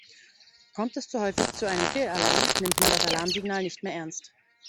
Kommt es zu häufig zu einem Fehlalarm, nimmt man das Alarmsignal nicht mehr ernst.